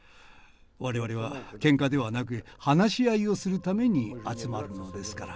我々はけんかではなく話し合いをするために集まるのですから。